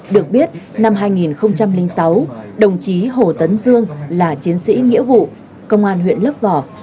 được biết năm hai nghìn sáu đồng chí hồ tấn dương là chiến sĩ nghĩa vụ công an huyện lấp vò